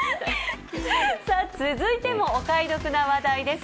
続いてもお買い得な話題です。